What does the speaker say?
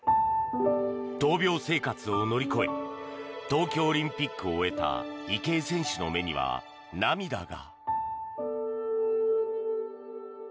闘病生活を乗り越え東京オリンピックを終えた池江選手の目には涙が。